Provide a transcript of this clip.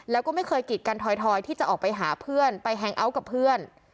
แล้วก็ไม่เคยกิดกันถอยที่จะออกไปหาเพื่อนไปแฮงเอาท์กับเพื่อน